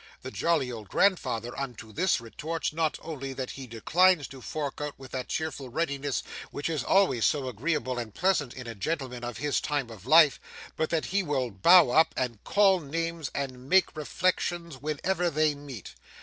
The jolly old grandfather unto this, retorts, not only that he declines to fork out with that cheerful readiness which is always so agreeable and pleasant in a gentleman of his time of life, but that he will bow up, and call names, and make reflections whenever they meet.